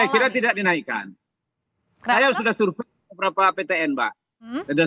saya kira tidak dinaikkan saya sudah survei beberapa ptn mbak